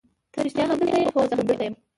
ته رښتیا هم دلته یې؟ هو زه همدلته یم.